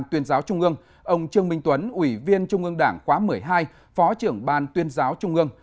tuyên giáo trung ương ông trương minh tuấn ủy viên trung ương đảng khóa một mươi hai phó trưởng ban tuyên giáo trung ương